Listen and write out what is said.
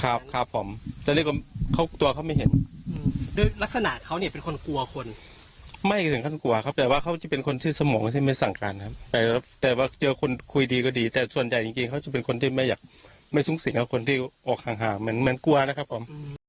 ครับครับผมตอนแรกเขากลัวเขาไม่เห็นด้วยลักษณะเขาเนี่ยเป็นคนกลัวคนไม่ถึงขั้นกลัวครับแต่ว่าเขาจะเป็นคนชื่อสมองที่ไม่สั่งการครับแต่ว่าเจอคนคุยดีก็ดีแต่ส่วนใหญ่จริงเขาจะเป็นคนที่ไม่อยากไม่สูงสิงกับคนที่ออกห่างเหมือนเหมือนกลัวนะครับผม